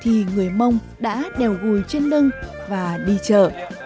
thì người mông đã đèo gùi trên lưng và đi chợ